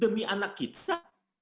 demi anak kita